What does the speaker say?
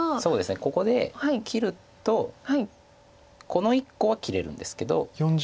ここで切るとこの１個は切れるんですけど。